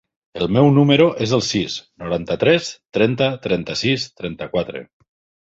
El meu número es el sis, noranta-tres, trenta, trenta-sis, trenta-quatre.